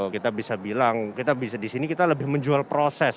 kita bisa bilang kita bisa di sini kita lebih menjual proses